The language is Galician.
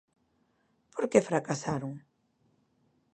¿Por que fracasaron?